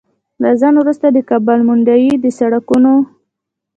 له ځنډ وروسته د کابل منډوي د سړکونو